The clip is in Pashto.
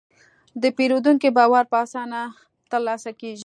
د پیرودونکي باور په اسانه نه ترلاسه کېږي.